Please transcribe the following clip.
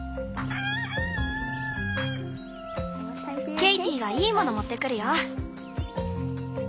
ケイティがいいもの持ってくるよ。